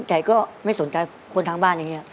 แต่ก็ไม่สนใจคนทางบ้านอย่างนี้